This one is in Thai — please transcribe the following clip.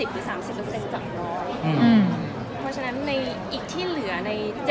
เพราะฉะนั้นอีกที่เหลือใน๗๐นี้คุณไม่รู้สำเร็จเลย